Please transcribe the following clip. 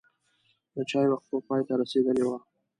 د چای وقفه پای ته رسیدلې وه.